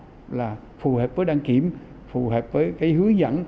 cải hoán là phù hợp với đăng kiểm phù hợp với hướng dẫn